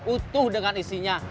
utuh dengan isinya